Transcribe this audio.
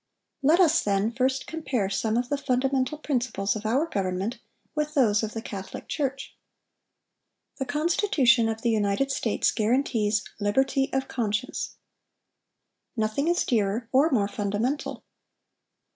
Let us, then, first compare some of the fundamental principles of our government with those of the Catholic Church. "The Constitution of the United States guarantees liberty of conscience. Nothing is dearer or more fundamental.